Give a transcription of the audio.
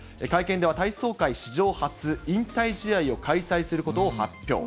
会見では、体操界史上初、引退試合を開催することを発表。